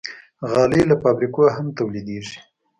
غالۍ له فابریکو هم تولیدېږي.